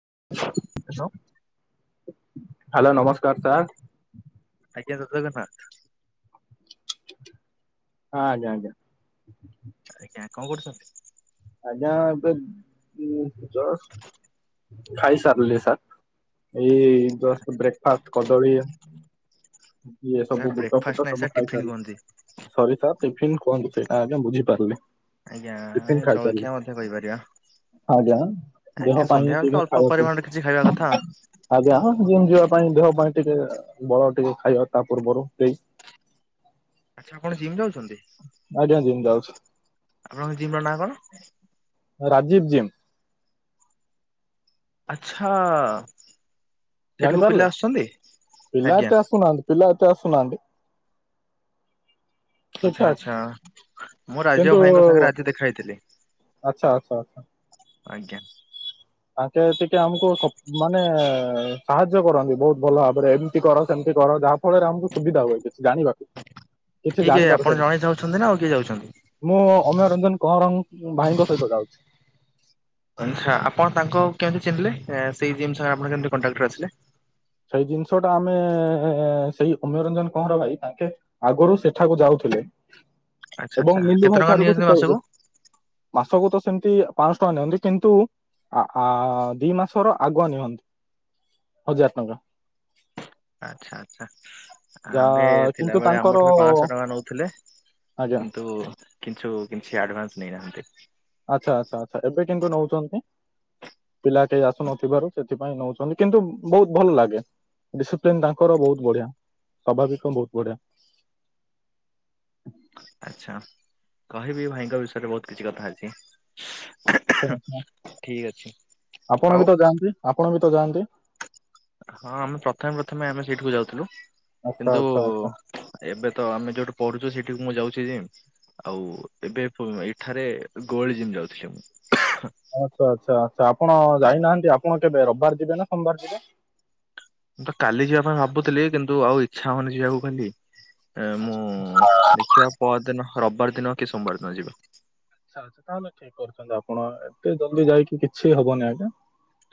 [inaudible] Hello hello ନମସ୍କାର sir. ଆଜ୍ଞା ଜୟ ଜଗନାଥ। ହଁ ଯା ଆଜା ଆଜ୍ଞା କଣ କରୁଛନ୍ତି? ଆଜ୍ଞା ଏବେ ଜଷ୍ଟ ଖାଇ ସାରିଲ ସାର୍। ଏଇ ଜଷ୍ଟ ବ୍ରେକ୍ଫାଷ୍ଟ କଦଳୀ ଇଏ ସାର୍ ସବୁ ବୁଟ ବ୍ରେକଫାଷ୍ଟ ଫୁଟ ନାହିଁ ସବୁ ସାର୍ ଟିଫିନ ଖାଇସ କୁହନ୍ତି। ସରି ସ ଟିଫ କୁହୁ ସେଇଟା ଆଜ୍ଞା ବୁଝି ପରଲି। ଆଜ୍ଞା ଏ ଜଳଖିଆ ମଧ୍ୟ କହିପାରିବ। ଆଁ ଯା ଦେହ ପାଇଁ ଦିନେ ଅଳ୍ପ ଖାଇବାକୁ ପରିମାଣରେ କିଛି ଖାଇବା କଥା। ଆଉ ଯାହା ଯିବା ପାଇଁ ଦେହ ପାଇଁ ଟିକେ ବଳ ଟିକେ ଖାଇବା ତା ପୂର୍ବରୁ ଦେଇ। ଆଚ୍ଛା ଆପଣ ଜିମ୍ ଯାଉଛନ୍ତି? ଆଜ୍ଞା ଜିମ୍ ଯାଉଛି। ଆପଣଙ୍କ ଜିମ୍ ର ନାଁ କଣ? ରାଜୀବ ଜିମ୍। ଆଚ୍ଛା। ସେଠିକୁ ପିଲା ଜାଣିପାରିଲେ ଆସୁଛନ୍ତି? ପିଲା ଆଜ୍ଞା ଏତେ ଆସୁନାହାନ୍ତି ପିଲା ଏ ଆସୁନାହାନ୍ତି। ଠିକ ଆଛା ଠାକ ଆଛା ମୁଁ ରାଜୀବ ଭାଇଙ୍କ ସାଙ୍ଗରେ ଆଜି ଦେଖା ହେଇଥିଲି। ଆଛା ଆଛା ଆଛା। ଆଜ୍ଞା। ତାଙ୍କେ ଟିକେ ଆମୁକୁ ସବୁ ମାନେ ସାହାଯ୍ୟ କରନ୍ତି ବହୁତ ଭଲ ଭାବରେ ଏମିତି କର ସେମିତି କର ଯାହା ଫଳରେ ଆମୁକୁ ସୁବିଧା ହବ କିଛି ଜାଣିବାକୁ କିଛି କିଏ କିଏ ଆପଣ ଜାଣିପାରୁଥିବେ ସେ ଜଣେ ଯାଉଛନ୍ତି ନା ଆଉ କିଏ ଯାଉଛନ୍ତି? । ମୁଁ ଅମ୍ୟ ରଞ୍ଜନ କଁରଂ ଭାଇଙ୍କ ସହିତ ଯାଉଛି। ଆଛା ଆପଣ ତାଙ୍କୁ କେମିତି ଚିହ୍ନିଲେ ସେଇ ଜିମ୍ ସାଙ୍ଗରେ ଆପଣ କେମିତି କଣ୍ଟାକ୍ଟ୍ ରେ ଆସିଲେ? ସେଇ ଜିନିଷ ଟା ଆମେ ସେଇ ଅମ୍ୟ ରଞ୍ଜନ କଁରଂ ଭାଇ ତାଙ୍କେ ଆଗରୁ ସେଠାକୁ ଯାଉଥିଲେ। ଆଚ୍ଛା ଏବଂ ଆଚ୍ଛା ମିଲୁ କେତେ ଭାଇ ଟଙ୍କା ଠାରୁକୁ ତୁ ନିଅନ୍ତି ମାସକୁ? କହୁଛୁ ମାସକୁ ତ ସେମି ସିଏ ପାଂଶ ଟଙ୍କା ନିଅନ୍ତି କିନ୍ତୁ ଦି ମାସର ଆଗୁଆ ନିଅନ୍ତି। ହଜାର ଟଙ୍କା। ଆଛା ଆଛା ଯା ଆମ୍ଭେ କିନ୍ତୁ ଥିଲାବେଳେ ତାଙ୍କର ଆମଠୁ ବି ପାଞ୍ଚଶହ ଟଙ୍କା ନଉଥିଲେ ଆଜ୍ଞା କିନ୍ତୁ କିନ୍ତୁ କିଛି ଆଡଭାନ୍ସ୍ ନେଇନାହାନ୍ତି। ଆଛା ଆଛା ଆଛା ଏବେ କିନ୍ତୁ ନଉଛନ୍ତି? ପିଲା କେହି ଆସୁନଥିବାରୁ ସେ ସେଥିପାଇଁ ନଉଛନ୍ତି କିନ୍ତୁ ବହୁତ ଭଲ ଲାଗେ ଡିସିପ୍ଲିନ୍ ତାଙ୍କର ବହୁତ ବଢିଆ। ସ୍ଵାଭାବିକ ବହୁତ ବଢିଆ। ଆଛା କହିବି ଭାଇଙ୍କ ବିଷୟରେ ବହୁତ କିଛି କଥା ଅଛି। ଆଛା ଆଛା ଠିକ ଅଛି ଆପଣ ଆଉ ବି ତ ଯାଆନ୍ତି ଆପଣ ବି ତ ଯାଆନ୍ତି? ହଁ ଆମେ ପ୍ରଥମେ ପ୍ରଥମେ ଆମେ ସେଇଠିକୁ ଯାଉଥିଲୁ। ଆଚ୍ଛା କିନ୍ତୁ ଆଚ୍ଛା ଆଚ୍ଛା ଏବେ ତ ଆମେ ଯୋଉଠୁ ପଢୁଛୁ ସେଠି ମୁଁ ଯାଉଛି ଜିମ୍ ଆଉ ଏବେ ଏଠାରେ ଗୋଲ୍ଡ ଜିମ୍ ଯାଉଛି ମୁଁ। ଆଛା ଆଛା ଆଛା ଆପଣ ଯାଇନାହାନ୍ତି ଆପଣ କେବେ ରବିବାର ଯିବେ ନା ସୋମବାର ଯିବେ? ମୁଁ ତ କାଲି ଯିବା ପାଇଁ ଭାବୁଥିଲି କିନ୍ତୁ ଆଉ ଇଚ୍ଛା ହଉନି ଯିବାକୁ କାଲି। ଏ ମୁଁ ଆଚ୍ଛା ଦେଖିବା ପର ଦିନ ରବିବାର ଦିନ କି ସୋମବାର ଦିନ ଯିବା। ଆଛା ଆଛା ତାହେଲେ ଠିକ୍ କରୁଛନ୍ତି ଆପଣ ଏତେ ଜଲଦି ଯାଇକି କିଛି ହବନି ଆଜ୍ଞା।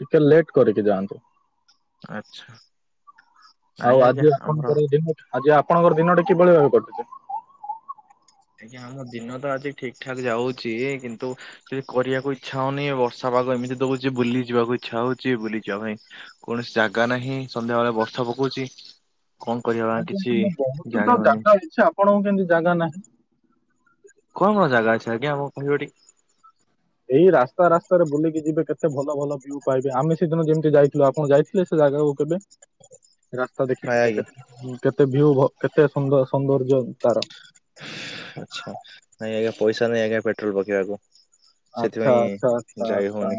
ଟିକେ ଲେଟ୍ କରିକି ଯାଆନ୍ତୁ। ଆଚ୍ଛା ନାଇଁ ଆଉ ଆଜ୍ଞା ଆଜି ଆମର ଆପଣଙ୍କର ଜିମ୍ ଅଛି ଆଜି ଆ ଆପଣଙ୍କର ଦିନଟା କିଭଳି ଭାବରେ କଟୁଛି? ଆଜ୍ଞା ଆମ ଦିନ ତ ଆଜି ଠିକ୍ ଠାକ୍ ଯାଉଛି କିନ୍ତୁ କିଛି କରିବାକୁ ଇଚ୍ଛା ହଉନି ବର୍ଷା ପାଗ ଏମିତି ଦଉଛି ବୁଲି ଯିବାକୁ ଇଛା ହଉଛି ବୁଲିଯିବା ପାଇଁ କୌଣସି ଜାଗା ନାହିଁ ସନ୍ଧ୍ୟାବେଳେ ବର୍ଷା ପ ପକଉଛି। କଣ କରିବା କିଛି ଆଜ୍ଞା ବହୁତ ଜାଣି ତ ହଉନି ଜାଗା ଅଛି ଆପଣଙ୍କର କେମତି ଜାଗା ନାହିଁ। କଣ କଣ ଜାଗା ଅଛି ଆଜ୍ଞା ଆମକୁ କହିବଟି? ଏଇ ରାସ୍ତା ରାସ୍ତାରେ ବୁଲିକି ଯିବେ କେତେ ଭଲ ଭଲ ଭ୍ୟୁ ପାଇବେ ଆମେ ସେଦିନ ଯେମିତି ଯାଇଥିଲୁ ଆପଣ ଯାଇଥିଲେ ସେ ଜାଗା? କଉ କେବେ? [unintelligible] ରାସ୍ତା ନାଇଁ ଦେଖିଥିଲେ ଆଜ୍ଞା କେ କେତେ ଭ୍ୟୁ ଭ କେତେ ସୁନ୍ଦର ସୌନ୍ଦର୍ଯ୍ୟ ତାର। ଆଛା ନାଇଁ ଆଜ୍ଞା ପଇସା ନାଇଁ ଆଜ୍ଞା ପେଟ୍ରୋଲ ପକେଇବାକୁ। ଆଚ୍ଛା ସେଥିପାଇଁ ଆଛା ଆଛା ଯାଇ ଆଛା ହଉନି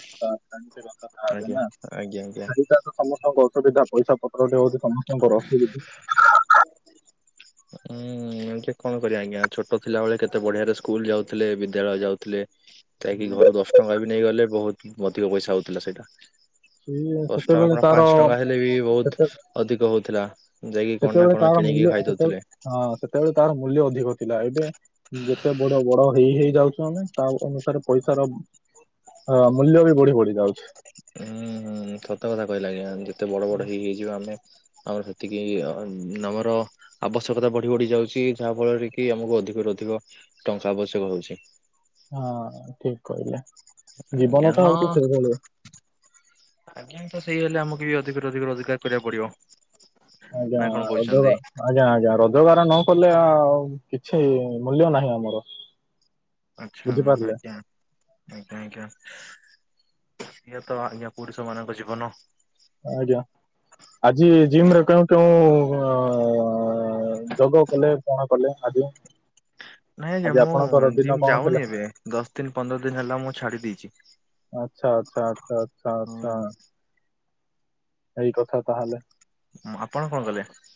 ଆଛା । ଆଜ୍ଞା। [unintelligible] ଆଜ୍ଞା ଆଜ୍ଞା ସେଇଟା ତ ସମସ୍ତେ କରୁଛନ୍ତି ଦନ । ପଇସା ପତ୍ର ଟି ହଉଛି ସମସ୍ତଙ୍କର ଅସୁବଧା । ହୁଁ ଏମତିି କଣ କରିବା ଆଜ୍ଞା ଛୋଟ ଥିଲା ବଳେ କେତେ ବଢିଆରେ ସ୍କୁଲ ଯାଉଥିଲେ ବିଦ୍ୟାଳୟ ଯାଉଥିଲେ । ଯାଇକି ଘରୁ ଦଶ ଟଙ୍କା ବି ନେଇଗଲେ ବହୁତ ଅଧିକ ପଇସା ହଉଥିଲା ସେଇଟା ସିଏ । ଦଶ ଟଙ୍କା ସେତେବେଳେ କଣ ତାର ପାଞ୍ଚ ଟଙ୍କା ହେଲେ ବି ବହୁତ ସେତେ ଅଧିକ ହଉଥିଲା । ସେତେବେଳେ ତାର ମୂଲ୍ୟ ସେତେବେଳେ ହଁ ସେତେବେଳେ ତାର ମୂଲ୍ୟ ଅଧିକ । ଥିଲା ଏବେ ଯେତେ ବଡ ବଡ ହେଇ ହେଇ ଯାଉଛୁ ଆମେ ତା ଅନୁସାରେ ପଇସାର । ହଁ ମୂଲ୍ୟ ବି ବଢି ବଢି ଯାଉଛି । ହୁଁ ହୁଁ ସତ କଥା କହିଲେ ଆଜ୍ଞା ଯେତେ ବଡ ବଡ ହେଇ ହେଇ ଯିବ ଆମେ । ଆମର ସେତିକି ଅ ମ ଆମର ଆବଶ୍ୟକତା ବଢି ବଢି ଯାଉଛି ଯାହା ଫଳରେ କି ଆମକୁ । ଅଧିକରୁ ଅଧିକ ଟଙ୍କା ଆବଶ୍ୟକ ହଉଛି । ହଁ ଠିକ କହିଲେ । ଆଜ୍ଞା ହଁ ଆଜ୍ଞା ତ ସେଇଆ । ହେଲେ ଆମକୁ ବି ଅଧିକରୁ ଅଧିକ ରୋଜଗାର କରିବାକୁ ପଡିବ । ଆଜ୍ଞା ଅଦବା ଆଜ୍ଞା ଆଜ୍ଞା ।ର ଯୋଗାର ନ କଲେ ଆ କିଛି ମୂଲ୍ୟ ନାହିଁ ଆମର । ଆଛା ଆଜ୍ଞା ଆଜ୍ଞା ଆଜ୍ଞା । ସିଏ ତ ଆଜ୍ଞା ପୁରୁଷ ମାନଙ୍କ ଜୀବନ । ଆଜ୍ଞା ଆଜି ଜିମରେ କେଉଁ କେଉଁ ଉଁ ଅ ଯୋଗ କଲେ କଣ କଲେ ଆଜି । ନାଇଁ ଆଜ୍ଞା ମୁଁ ଯିମ ଥିଲା ଯାଉନି ଏବେ ଦଶ ଦିନ ପନ୍ଦର ଦିନ ହେଲା ମୁଁ ଛାଡି ଦେଇଛି । ଆଚ୍ଛା ଆଚ୍ଛା ଆଛା ଆଚ୍ଛା ଆଛା । ଏଇ କଥା ତାହେଲେ । ଆପଣ କଣ କଲେ ।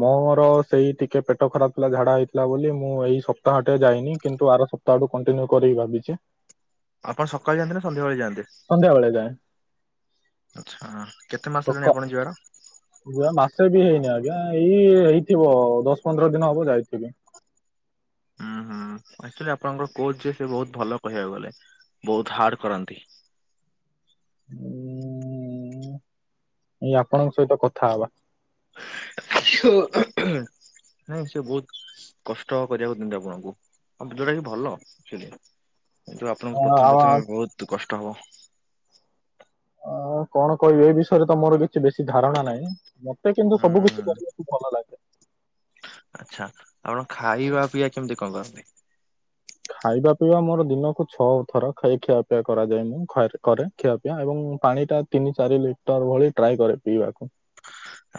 ମୋର ସେଇ ଟିକେ ପେଟ ଖରାପ ଥିଲା ଝାଡା ହେଇଥିଲା ବୋଲି ମୁଁ ଏଇ ସପ୍ତାହଟା ଯାଇନି କିନ୍ତୁ ଆର ସପ୍ତାଆଡୁ କଣ୍ଟିନ୍ୟୁ କରିକି ଭାବିଛି । ଆପଣ ସକାଳେ ଯାଆନ୍ତି ନା ସନ୍ଧ୍ୟାବେଳେ ଯାଆନ୍ତି। ସନ୍ଧ୍ୟାବେଳେ ଯାଏ ଆଚ୍ଛା କେତେ ମାସ ହେଲାଣି ଆପଣ ଯିବାର । ଯିବା ମାସେ ବି ହେଇନି ଆଜ୍ଞା ଏଇ ହେଇଥିବ ଦଶ ପନ୍ଦର ଦିନ ହବ ଯାଇଥିବି । [inaudible] ହୁଁ ଆକଚୁଲି ଆପଣଙ୍କର କୋଚ ଯିଏ ସେ ବହୁତ ଭଲ କହିବାକୁ ଗଲେ । ବହୁତ ହାର୍ଡ କରାନ୍ତି । ଉଁ ଏଇ ଆପଣଙ୍କ ସହିତ କଥା ହବା । ଆଉ ନାଇଁ ସେ ବହୁତ କଷ୍ଟ କରିବାକୁ ଦିଅନ୍ତି ଆପଣଙ୍କୁ । ଆମ ଭିଡ ଟା ବି ଭଲ [unintelligible] ଏଠୁ ଆପଣଙ୍କୁ ଆଉ ପ୍ରଥମେ ଆଉ ପ୍ରଥମେ ବହୁତ କଷ୍ଟ ହବ । ହଁ କଣ କହିବି ଏ ବିଷୟରେ ତ ମୋର କିଛି ବେଶୀ ଧାରଣା ନାହିଁ । ମତେ କିନ୍ତୁ ସବୁ ହୁଁ କିଛି କରିବାକୁ ଭଲ ଲାଗେ । ଆଛା ଆପଣ ଖାଇବା ପିଆ କେମିତି କଣ କରନ୍ତି । ଖାଇବା ପିଇବା ମୋର ଦିନକୁ ଛଅ ଥର ଖାଇ ଖିଆପିଆ କରାଯାଏ ମୁଁ କରେ ଖିଆ ପିଆ ଏବଂ । ପାଣି ଟା ତିନି ଚାରି ଲିଟର ଭଳି ଟ୍ରାଏ କରେ ପିଇବାକୁ ।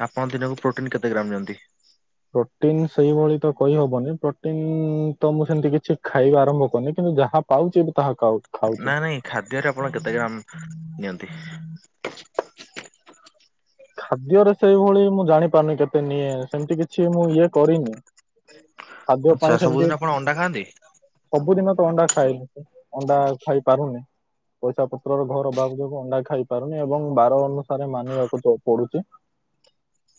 ଆପଣ ଦିନକୁ ପ୍ରୋଟିନ କେତେ ଗ୍ରାମ ନିଅନ୍ତି । ପ୍ରୋଟିନ ସେଇଭଳି ତ କହିହବନି ପ୍ରୋଟିନ ତ ମୁଁ ସେମିତି କିଛି ଖାଇବା ଆରମ୍ଭ କରିନି କିନ୍ତ କିନ୍ତୁ ଯାହା ପାଉଛି । ନା ନାଇଁ ଖାଦ୍ୟରେ ଆପଣ କେତେ ଗ୍ରାମ ନିଅନ୍ତି । ଖାଦ୍ୟରେ ସେଇଭଳି ମୁଁ ଜାଣି ପାରୁନି କେତେ ନିଏ ସେମିତି କିଛି ମୁଁ ଇଏ କରିନି । ଖାଦ୍ୟ ଆଚ୍ଛା ପାଇଁ ସବୁଦିନ ଆପଣ ସେମିତି ଅଣ୍ଡା ଖାଆନ୍ତି? ସବୁଦିନ । ଅଣ୍ଡା ଖାଇଲି ଅଣ୍ଡା ଖାଇ ପାରୁନି। ପଇସା ପତ୍ରର ଘୋର ଅବାବ ଯୋଗୁଁ ଅଣ୍ଡା ଖାଇ ପାରୁନି ଏବଂ ବାର ଅନୁସାରେ ମାନିବାକୁ ଯାଉ ପଡୁଛି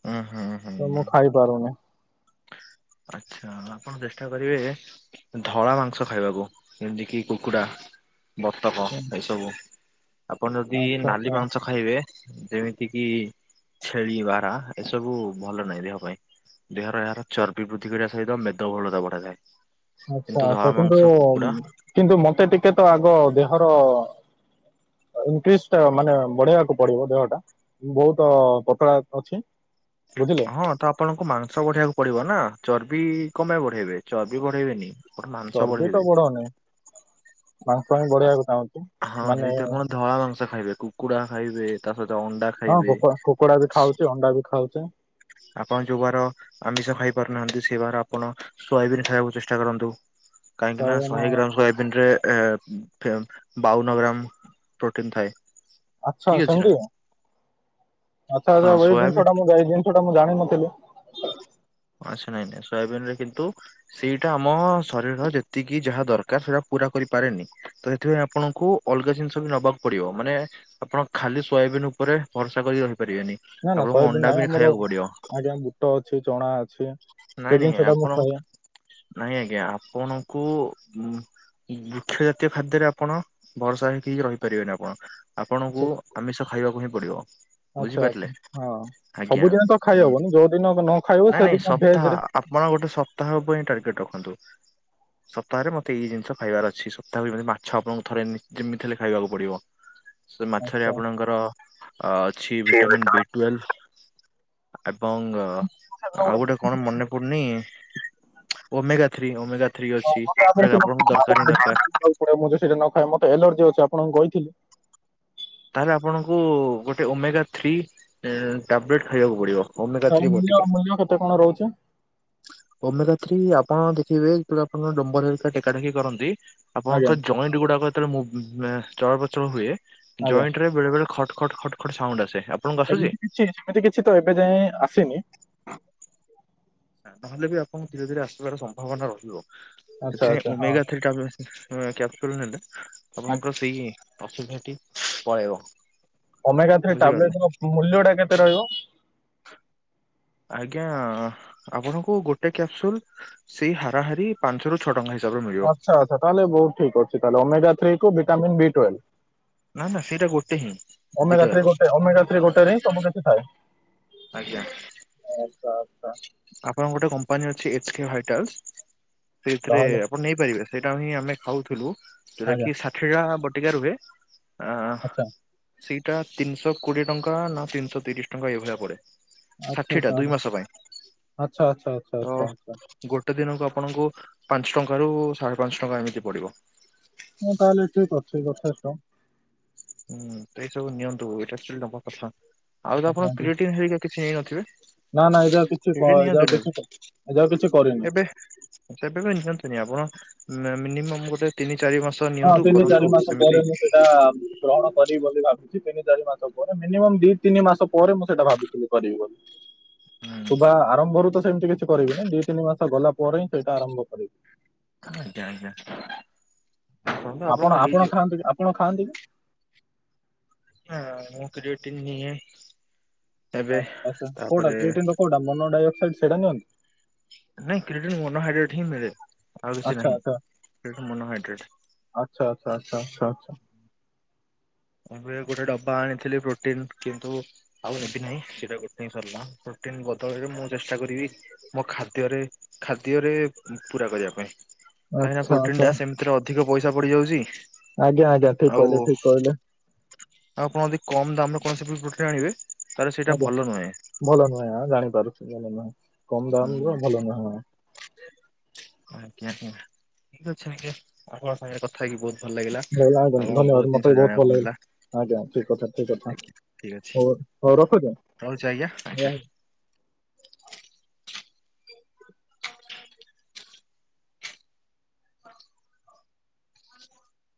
ଉଁ ହୁଁ ତ ହୁଁ ମୁଁ ଖାଇପାରୁନି। ଆଚ୍ଛା ଆପଣ ଚେଷ୍ଟା କରିବେ ଧଳା ମାଂସ ଖାଇବାକୁ ଯେମିତି କିି କୁକୁଡ଼ା ବତକ ଏ ସବୁ ଆପଣ ଯଦି ଆଚ୍ଛା ଆଚ୍ଛା ନାଲି ମାଂସ ଖାଇବେ ଯେମିତି କିି, ଛେଳି, ବାରହା ଏସବୁ ଭଲ ନାହିଁ ଦେହ ପାଇଁ। ଦେହରେ ଏହାର ଚର୍ବି ବୃଦ୍ଧି କରିବା ସହିତ ମେଦବହୁଳତା ବଢ଼ାଯାଏ। ଆଛା, ଆଚ୍ଛା କିନ୍ତୁ, କିନ୍ତୁ ମତେ ଟିକେ ତ ଆଗ ଦେହର ଇନକେଶ ଟା ମାନେ ବଢେଇବାକୁ ପଡିବ ଦେହଟା ବହୁତ ପତଳା ଅଛି। ବୁଝିଲେ ହଁ ତ ଆପଣଙ୍କୁ ମାଂସ ବଢେଇବାକୁ ପଡିବ ନା? ଚର୍ବି କଣ ପାଇଁ ବଢେଇବେ, ଚର୍ବି ବଢେଇବେନି ମାଂସ ଚର୍ବି ତ ବଢେଇବେ। ବଢଉନି ମାଂସ ହିଁ ବଢେଇବାକୁ ଚାହୁଁଛି। ହଁ ଯଦି ମାନେ ତ ଆପଣ ଧଳା ମାଂସ ଖାଇବେ, କୁକୁଡ଼ା ଖାଇବେ, ତା ସହିତ ଅଣ୍ଡା ଖାଇ ହଁ କୁକୁଡ଼ା କୁକୁଡା ବି ଖାଉଛି ଅଣ୍ଡା ବି ଖାଉଛି। ଆପଣ ଯେଉଁ ବାର ଆମିଷ ଖାଇପାରୁନାହାନ୍ତି, ସେ ବାର ଆପଣ ସୋୟାବିନ୍ ଖାଇବାକୁ ଚେଷ୍ଟା କରନ୍ତୁ। କାହିଁକି ନା ସୋୟାବିନ ଶହେ ଗ୍ରାମ ସୋୟାବିନ ରେ ଏ ଫେମ ବାଉନ ଗ୍ରାମ ପ୍ରୋଟିନ୍ ଥାଏ। ଆଛା ଠିକ ଅଛି ସେମ ନା ଟୁ ୟୁ। ଆଚ୍ଛା ଆଚ୍ଛା, ହଁ ଏ ସୋୟାବିନ ଜିନିଷଟା ମୁଁ ଜିନିଷଟା ମୁଁ ଜାଣିନଥିଲି। ଆଛା ନାଇଁ ନାଇଁ, ସୋୟାବିନ ରେ କିନ୍ତୁ ସେଇଟା ଆମ ଶରୀରର ଯେତିକି ଯାହା ଦରକାର, ସେଇଟା ପୁରା କରିପାରେନି। ସେଥିପାଇଁ ଆପଣଙ୍କୁ ଅଲଗା ଜିନିଷ ବି ନବାକୁ ପଡିବ। ମାନେ ଆପଣ ଖାଲି ସୋୟବିନ୍ ଉପରେ ଭରସା କରି ରହିପାରିବେନି। ନା ନା ଆପଣଙ୍କୁ ସୋୟାବିନ ଅଣ୍ଡା ନାହିଁ ବି ଆମର ଖାଇବାକୁ ପଡିବ। ଆଜ୍ଞା ବୁଟ ଅଛି ଚଣା ଅଛି ନାଇଁ ସେ ନାଇଁ ଜିନିଷଟା ମୁଁ ଆପଣ ଖାଏ ନାଇଁ ଆଜ୍ଞା ଆପଣଙ୍କୁ ଉ ବୃକ୍ଷ ଜାତୀୟ ଖାଦ୍ୟରେ ଆପଣ ଭରଷା ହେଇକି ରହିପାରିବେନି, ଆପଣ ଆଚ୍ଛା ଆପଣଙ୍କୁ ଆମିଷ ଖାଇବାକୁ ହିଁ ପଡ଼ିବ। ଆଚ୍ଛା ଆଚ୍ଛା ବୁଝିପାରିଲେ ହଁ ଆଜ୍ଞା ସବୁଦିନ ତ ଖାଇ ଉଁ ହବନି । ଯୋଉ ଦିନ ନ ଖାଇବ ସେଦିନ ସପ୍ତାହ ଭେଜରେ ଆପଣ ଗୋଟେ ସପ୍ତାହ ଉପରେ ହିଁ ଟାର୍ଗେଟ ରଖନ୍ତୁ। ସପ୍ତାହରେ ମତେ ଏଇ ଜିନିଷ ଖାଇବାର ଅଛି, ସପ୍ତାହରେ ମାଛ ଆପଣଙ୍କୁ ଥରେ ଯେମିତି ହେଲେ ଖାଇବାକୁ ପଡିବ। ସେ ମାଛରେ ଆଚ୍ଛା ଆପଣଙ୍କର ଅଛି ଭିଟାମିନ୍ ବି ଟୁଏଲଭ। ଏବଂ ଆଉ ଗୋଟେ କଣ ମନେ ପଡୁନି, ଓମେଗା ଥ୍ରୀ ଓମେଗା ଥ୍ରୀ ଅଛି। [unintelligible] ଯୋଉଟା ଆପଣଙ୍କୁ ଦରକାର ମତେ ହିଁ ଦରକାର ଏଲର୍ଜି ଅଛି ଆପଣଙ୍କୁ କହିଥିଲି। ତା ହେଲେ ଆପଣଙ୍କୁ ଗୋଟେ ଓମେଗା ଥ୍ରୀ ଟାବଲେଟ୍ ଖାଇବାକୁ ପଡିବ। ଓମେଗା ତାର ଥ୍ରୀ ମୂଲ୍ୟ ବଟିକା। ମୂଲ୍ୟ କେତେ କଣ ରହୁଛି ଓମେଗା ଥ୍ରୀ ଆପଣ ଦେଖିବେ, ଯେବେ ଆପଣ ଡମ୍ବର ହେରିକା ଟେକା ଟେକି କରନ୍ତି। ଆଜ୍ଞା ଆପଣଙ୍କ ଜଏଣ୍ଟ ଗୁଡାକ ଯେତେବେଳେ ମେ ଚଳପ୍ରଚଳ ହୁଏ, ଆଜ୍ଞା ଜଏଣ୍ଟ ରେ ବେଳେ ବେଳେ ଖଟ୍ ଖଟ୍ ଖଟ୍ ଖଟ୍ ସାଉଣ୍ଡ ଆସେ। ଆପଣଙ୍କୁ ଆସୁଛି? ସେମିତି କିଛି ସେମିତି କିଛି ତ ଏବେ ଯାଏ ଆସିନି। ଯା ହେଲେ ବି ଆପଣଙ୍କୁ ଧୀରେ ଧୀରେ ଆସିବାର ସମ୍ଭାବନା ରହିବ, ଆଚ୍ଛା ଆଚ୍ଛା ସେଥିପାଇଁ ହଁ ଓମେଗା ଥ୍ରୀ ଟାବଲେଟ କ୍ୟାପସୁଲ ନେଲେ ଆଜ୍ଞା ଆପଣଙ୍କର ସେଇ ଅସୁବିଧାଟି ପଳେଇବ। ଓମେଗା ଥ୍ରି ବୁଝିପାରିଲେ ଟାବଲେଟ ର ମୂଲ୍ୟ ଟା କେତେ ରହିବ? ଆଜ୍ଞା ଆପଣଙ୍କୁ ଗୋଟେ କ୍ୟାପସୁଲ ସେଇ ହାରାହାରି ପାଞ୍ଚ ରୁ ଛଅ ଟଙ୍କା ହି ଆଚ୍ଛା ଆଚ୍ଛା ତା ହେଲେ ବହୁତ ଠିକ ଅଛି । ତା ହେଲେ ଓମେଗା ଥ୍ରୀ କୁ ଭିଟାମିନ୍ ବି ଟୁଏଲ। ନା ସାର୍ ସେଇଟା ଗୋଟେ ହିଁ ଓମେଗା ଦିଇଟା ଥ୍ରୀ ଗୋଟେ ଓମେଗା ଥ୍ରୀ ଗୋଟେରେ ହିଁ ଯାକ। ସବୁ କିଛି ଥାଏ ଆଜ୍ଞା। [inaudible] ଆପଣଙ୍କ ଗୋଟେ କମ୍ପାନୀ ଅଛି, ଏଚ କେ ହାଇଟାଲସ ସେଇଥିରେ ତାହେଲେ ଆପଣ ନେଇପାରିବେ। ସେଇଟା ହିଁ ଆମେ ଖାଉଥିଲୁ, ଯୋଉଟା ଆଜ୍ଞା କିି ଷାଠିଏ ଟା ବଟିକା ରୁହେ। ଆ ଆଛା, ସେଇଟା ତିନି ଶହ କୋଡିଏ ଟଙ୍କା ନା ତିନି ଶହ ତିରିଶ ଟଙ୍କା ଏଇ ଭଳିଆ ପଡେ। ଆଚ୍ଛା ଷାଠିଏ ଟା ଦୁଇ ତାହେଲେ ମାସ ପାଇଁ ଆଚ୍ଛା ଆଚ୍ଛା ଆଚ୍ଛା ତ ଗୋ ଆଚ୍ଛା ଆଚ୍ଛା ଗୋଟେ ଦିନକୁ ଆପଣଙ୍କୁ ପାଞ୍ଚ ଟଙ୍କାରୁ ସାଢ଼େ ପାଞ୍ଚ ଟଙ୍କା ଏମିତି ପଡିବ। ମୁଁ ତାହେଲେ ଠିକ ଅଛି। ଯଥେଷ୍ଟ। ହୁଁ ତ ଏଇ ସବୁ ନିଅନ୍ତୁ ଏଇଟା ଖାଲି ନବା କଥା। ଆଉ ତ ଆଜ୍ଞା ଆପଣ ଆଜ୍ଞା କ୍ରିଏଟିନ୍ ହେରିକା କିଛି ନେଇନଥିବେ? ନା ନା ଏବେ ଆଉ କିଛି କ୍ରିଏଟିନ୍ ଏବେ ଯାଉ ନିଅନ୍ତୁନି କିଛି ଏବେ ଯାଉ କିଛି କରିନି। ତବେ ବି ନିଅନ୍ତୁନି ଆପଣ ମିନିମ ଗୋଟେ ତିନି ଚାରି ମାସ ହଁ ନିଅନ୍ତୁ ତିନି କରନ୍ତୁ ଚାରି ମାସ ସେମିତି ପରେ ମୁଁ ସେଇଟା ଗ୍ରହଣ କରିବି ବୋଲି ଭାବିଛି ତିନି ଚାରି ମାସ ପରେ ମିନିମମ୍ ଦି ତିନି ମାସ ପରେ ମୁଁ ସେଇଟା ଭାବିଥିଲି କରିବି ବୋଲି। ହୁଁ ଶୁଭ ଆରମ୍ଭରୁ ତ ସେମତି କିଛି କରିବିନି ଦିଇ ତିନି ମାସ ଗଲା ପରେ ହିଁ ସେଇଟା ଆରମ୍ଭ କରିବି। ଆଜ୍ଞା ଆଜ୍ଞା। କରନ୍ତୁ ଆପଣଙ୍କର ଆପଣ ଆପଣ ହେଇଯିବ ଖାଆନ୍ତି ଆପଣ ଖାଆନ୍ତି କି? ନା ମୁଁ କ୍ରିଏଟିନ୍ ନିଏ। ଏବେ ଆଛା ଆଛା କଉା ତାପରେ କ୍ରିଟିନ୍ ର କଉଟା ମନୋଡଆକ୍ସଡ ସେଇଟା ନିଅନ୍ତି? ନାଇଁ କ୍ରିଏଟିନ ମନୋହାଇଡ୍ରେଟ୍ ହିଁ ମିଳେ। ଆଉ କିଛି ଆଚ୍ଛା ନାହିଁ। ଆଚ୍ଛା ସେ ମନୋହାଇଡ୍ରେଟ। ଆଚ୍ଛା ଆଚ୍ଛା ଆଚ୍ଛା ଆଚ୍ଛା ଆଚ୍ଛା ମୁଁ ବି ଗୋଟେ ଡବା ଆଣିଥିଲି ପ୍ରୋଟିନ କିନ୍ତୁ ଆଉ ନେବି ନାହିଁ। ସେଇଟା ଗୋଟେ ହିଁ ସରିଲା। ଟିନ୍ ବଦଳରେ ମୁଁ ଚେଷ୍ଟା କରିବି ମୋ ଖାଦ୍ୟରେ ଖାଦ୍ୟରେ ପୁରରା କରିବା ପାଇଁ। କାହିଁକିନା ଆଚ୍ଛା ପ୍ରୋଟିନ ଆଚ୍ଛା ଟା ସେମିତିରେ ଅଧିକ ପଇସା ପଡିଯାଉଛଚି ଆଜ୍ଞା ଆଜ୍ଞା ଠିକ କହିଲେ ଠିକ କହିଲେ। ଆଉ ଆପଣ ଯଦି କମ ଦାମ ରେ କୌଣସି ପ୍ରୋଟିନ ଆଣିବେ ତାହେଲେ ସେଇଟା ଆଜ୍ଞା ଭଲ ନୁହେଁ ଭଲ ନୁହେଁଁ ଜାଣିପାରୁଚୁ ଭଲ ନୁହେଁ। କମ ଦାମର ଭଲ ନୁହେଁ ହଁ। ଆଜ୍ଞା ଆଜ୍ଞା ଠିକ ଅଛ ଆଜ୍ଞା ଆପଣଙ୍କ ସାଙ୍ଗରେ କଥା ହେଇକି ବହୁତ୍ ଭଲ ଲାଗିଲା ଆଙ୍କୁ ଧନ୍ୟବାଦ ବହୁତ ମତେ ବି ଜିନିଷ ଭଲ ଜାଣିବାକୁ ଲାଗିଲା ମିଳିଲା। ଆଜ୍ଞା ଠିକ କଥା ଠିକ କଥା ଆଜ୍ଞା ଠିକ୍ ହଉ ଅଛି। ହଉ ରଖୁଚି। ରହୁଛି ଆଜ୍ଞା ଆଜ୍ଞା। ଆ